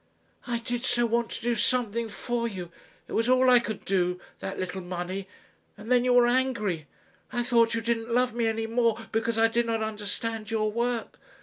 "I did so want to do something for you. It was all I could do that little money. And then you were angry. I thought you didn't love me any more because I did not understand your work....